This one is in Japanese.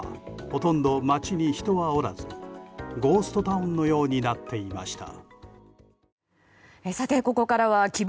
ほとんど街に人はおらずゴーストタウンのようになっていました。